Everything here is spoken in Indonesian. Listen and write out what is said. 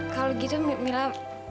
kalau gitu mila